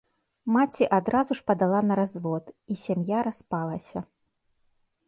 Маці адразу ж падала на развод, і сям'я распалася.